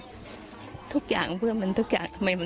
เนื่องจากนี้ไปก็คงจะต้องเข้มแข็งเป็นเสาหลักให้กับทุกคนในครอบครัว